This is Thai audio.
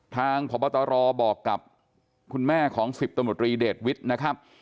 พบตรบอกกับคุณแม่ของ๑๐ตำรวจรีเดชวิทย์นะครับ